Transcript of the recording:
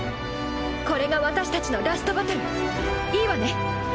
これが私たちのラストバトルいいわね？